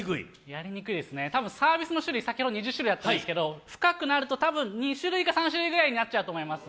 やりにくいですね、サービスの種類、先ほど２０種類って言ったんですけど深くなるとたぶん２種類か３種類くらいになっちゃうと思います。